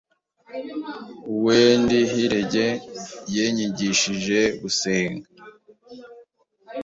uwendihirege yenyigishege gusenge